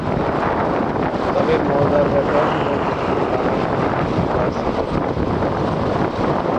তবে মজার ব্যাপার হলো, প্রথমে কাবা শরিফ কিবলা ছিল না।